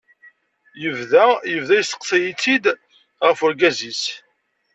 Yebda yebda yesteqsay-itt-id ɣef urgaz-is.